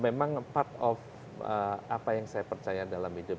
memang part of apa yang saya percaya dalam hidup